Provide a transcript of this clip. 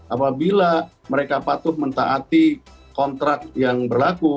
apabila mereka patuh mentaati kontrak yang berlaku